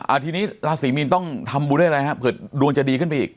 ทีนี้ราศีมีนต้องทำบุญด้วยอะไรฮะเผื่อดวงจะดีขึ้นไปอีก